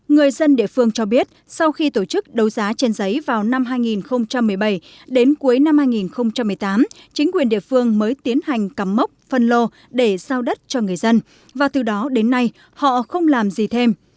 người dân địa phương cho biết sau khi tổ chức đấu giá trên giấy vào năm hai nghìn một mươi bảy đến cuối năm hai nghìn một mươi tám chính quyền địa phương mới tiến hành cắm mốc phân lô để giao đất cho người dân và từ đó đến nay họ không làm gì thêm